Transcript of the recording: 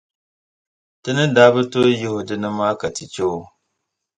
Ti ni daa bi tooi yih’ o di ni maa ka ti chɛ o.